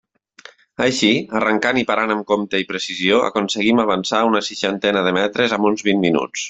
Així, arrencant i parant amb compte i precisió aconseguim avançar una seixantena de metres en uns vint minuts.